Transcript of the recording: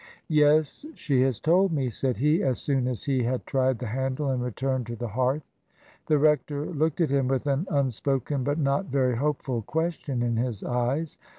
" Yes : she has told me," said he, as soon as he had tried the handle and returned to the hearth. The rector looked at him with an unspoken but not very hopeful question in his eyes.